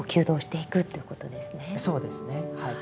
そうですねはい。